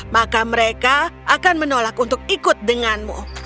maka mereka akan menolak untuk ikut denganmu